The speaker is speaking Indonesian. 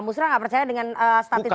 musra nggak percaya dengan statistik